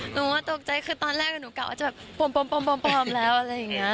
หนูว่าตกใจคือตอนแรกหนูกะว่าจะแบบปลอมแล้วอะไรอย่างนี้